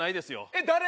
えっ誰？